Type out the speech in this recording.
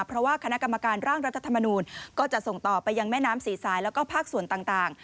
เพราะว่าคณะกรรมการร่างรัฐธรรมนูลก็จะส่งต่อไปยังแม่น้ำศรีสายแล้วก็ภาคส่วนต่าง